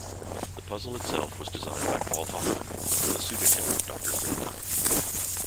The puzzle itself was designed by Paul Hoffman under the pseudonym "Dr. Crypton".